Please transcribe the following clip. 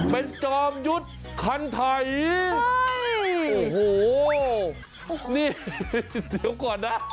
เป็นจอมยุทธ์คันไทยโอ้โหนี่เดี๋ยวก่อนนะ